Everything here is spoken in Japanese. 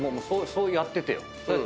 そうやっててよ。